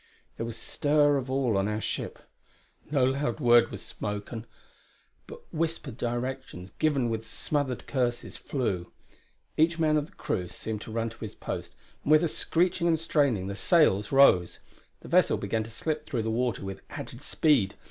There was stir of all on our ship. No loud word was spoken, but whispered directions, given with smothered curses, flew. Each man of the crew seemed to run to his post, and with a screeching and straining the sails rose. The vessel began to slip through the water with added speed.